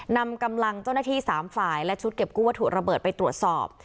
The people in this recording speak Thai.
นำกำลังเจ้าหน้าที่๓ฝ่ายและชุดเก็บกู้วัตถุระเบิดไปตรวจสอบ